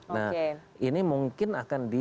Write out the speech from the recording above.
nah ini mungkin akan